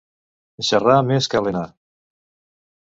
Xerrar més que alenar.